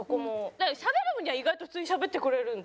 しゃべる分には意外と普通にしゃべってくれるんで。